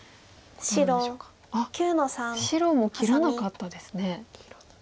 あっ白も切らなかったですね。